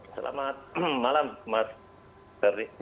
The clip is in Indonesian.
selamat malam mas ferdie